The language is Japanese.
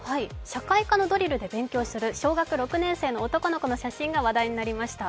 社会科のドリルで勉強する小学６年生の男の子の写真が話題になりました。